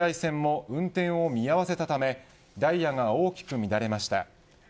首都圏の在来線も運転を見合わせたためダイヤが大きく乱れました。